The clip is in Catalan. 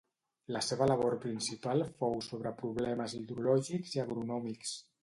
La seva labor principal fou sobre problemes hidrològics i agronòmics.